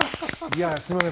すいません。